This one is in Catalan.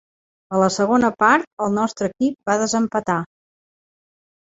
A la segona part, el nostre equip va desempatar.